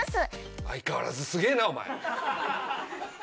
相変わらずすげぇなお前。